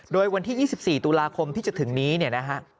โดยวันที่๒๔ตุลาคมที่จะถึงนี้เนี่ยนะฮะ